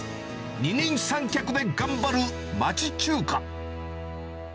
二人三脚で頑張る町中華。